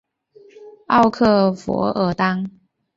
奥克弗尔当。